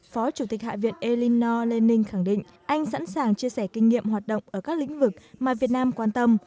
phó chủ tịch hạ viện elinor lenin khẳng định anh sẵn sàng chia sẻ kinh nghiệm hoạt động ở các lĩnh vực mà việt nam quan tâm